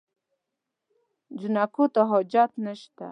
جانکو ته حاجت نشته.